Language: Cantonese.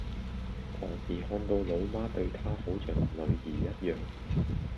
同時看到老媽對她好像女兒一樣